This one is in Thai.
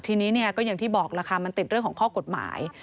ทีนี้เนี่ยก็อย่างที่บอกล่ะค่ะมันติดเรื่องของข้อกฎหมาย